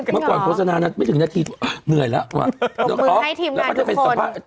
เมื่อก่อนโฆษณานั้นไม่ถึงนาทีเหนื่อยแล้ว